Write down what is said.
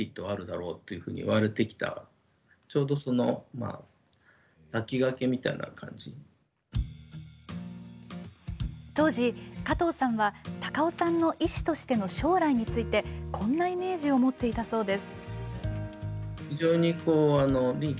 まあ何しろあのというのが第一印象で当時加藤さんは高尾さんの医師としての将来についてこんなイメージを持っていたそうです。